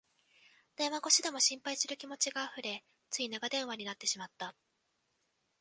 電話越しでも心配する気持ちがあふれ、つい長電話になってしまった